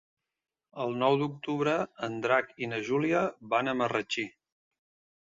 El nou d'octubre en Drac i na Júlia van a Marratxí.